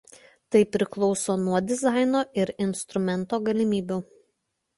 Tai priklauso nuo dizaino ir instrumento galimybių.